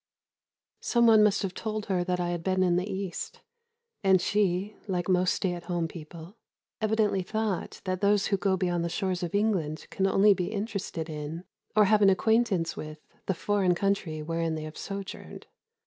Some one must have told her that I had been in the East, and she, like most stay at home people, evidently thought that those who go beyond the shores of England can only be interested in, or have an acquaintance with, the foreign country wherein they have sojourned.